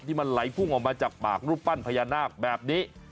ที่มันไหลพุ่งออกมาจากปากรูปปั้นพญานาคแบบนี้